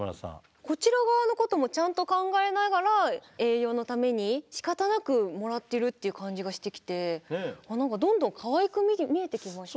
こちら側のこともちゃんと考えながら栄養のためにしかたなくもらってるっていう感じがしてきてどんどんかわいく見えてきました。